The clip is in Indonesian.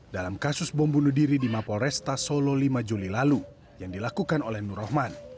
dalam kasus bom bunuh diri di mapol resta solo lima juli lalu yang dilakukan oleh nur rahman